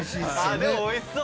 でもおいしそう。